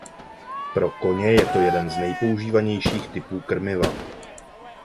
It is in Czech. Pro koně je to jeden z nejpoužívanějších typů krmiva.